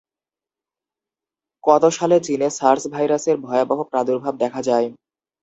কত সালে চীনে সার্স ভাইরাসের ভয়াবহ প্রাদুর্ভাব দেখা যায়?